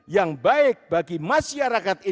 yang baik bagi masyarakat